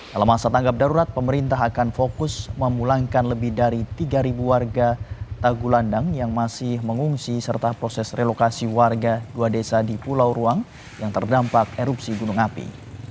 dalam masa tanggap darurat pemerintah akan fokus memulangkan lebih dari tiga warga tagulandang yang masih mengungsi serta proses relokasi warga dua desa di pulau ruang yang terdampak erupsi gunung api